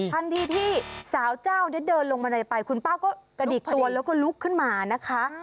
ทันทีที่สาวเจ้าเดินลงบันไดไปคุณป้าก็กระดิกตัวแล้วก็ลุกขึ้นมานะคะ